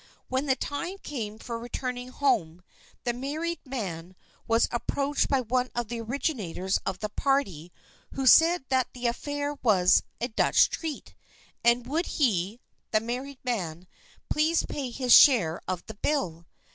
When the time came for returning home the married man was approached by one of the originators of the party, who said that the affair was a "Dutch treat," and would he (the married man) please pay his share of the bill.